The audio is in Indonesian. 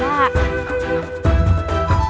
bagaimana kalau kena nya ia terkenal